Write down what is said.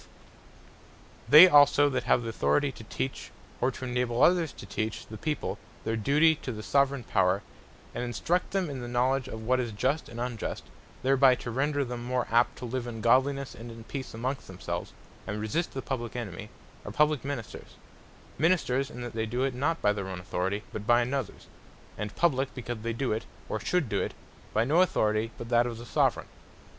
For Instruction Of The People They also that have authority to teach, or to enable others to teach the people their duty to the Soveraign Power, and instruct them in the knowledge of what is just, and unjust, thereby to render them more apt to live in godlinesse, and in peace among themselves, and resist the publique enemy, are Publique Ministers: Ministers, in that they doe it not by their own Authority, but by anothers; and Publique, because they doe it (or should doe it) by no Authority, but that of the Soveraign.